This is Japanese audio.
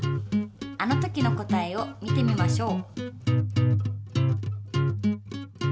あの時の答えを見てみましょう。